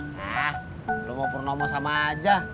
nah lo mau pun omong sama aja